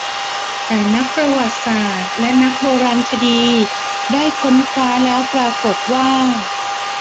แต่นักประวัติศาสตร์และนักโบราณคดีได้ค้นคว้าแล้วปรากฏว่า